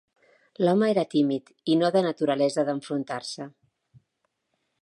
L'home era tímid i no de naturalesa d'enfrontar-se.